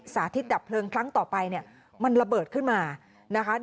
สาธิตดับเพลิงครั้งต่อไปเนี่ยมันระเบิดขึ้นมานะคะ